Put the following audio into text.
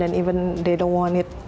dan mereka juga tidak ingin